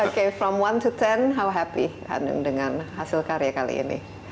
oke dari satu ke sepuluh berapa senang dengan hasil karya kali ini